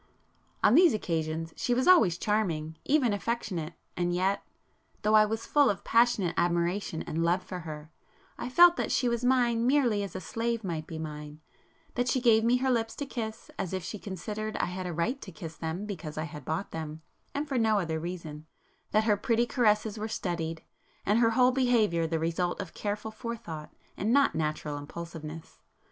On these occasions she was always charming,—even affectionate; and yet,—though I was full of passionate admiration and love for her, I felt that she was mine merely as a slave might be mine; that she gave me her lips to kiss as if she considered I had a right to kiss them because I had bought them, and for no other reason,—that her pretty caresses were studied, and her whole behaviour the result of careful forethought and not natural impulsiveness.